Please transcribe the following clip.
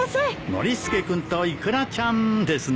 ノリスケくんとイクラちゃんですね。